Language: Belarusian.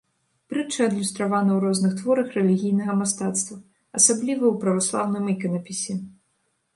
Прытча адлюстравана ў розных творах рэлігійнага мастацтва, асабліва ў праваслаўным іканапісе.